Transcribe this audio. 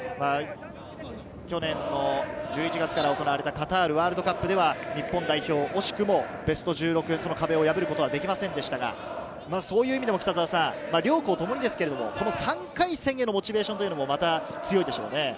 去年の１１月から行われたカタールワールドカップでは日本代表、惜しくもベスト１６、その壁を破ることはできませんでしたが、両校ともに３回戦へのモチベーションというのは強いでしょうね。